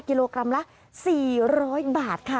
กิโลกรัมละ๔๐๐บาทค่ะ